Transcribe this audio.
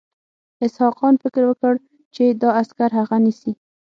اسحق خان فکر وکړ چې دا عسکر هغه نیسي.